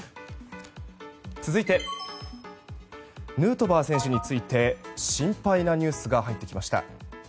続いて、ヌートバー選手について心配なニュースが入ってきました。